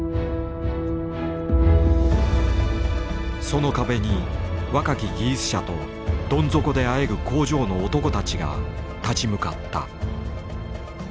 その壁に若き技術者とどん底であえぐ工場の男たちが立ち向かった。